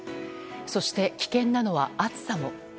そして、危険なのは暑さも。